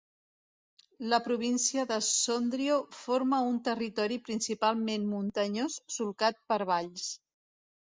La província de Sondrio forma un territori principalment muntanyós solcat per valls.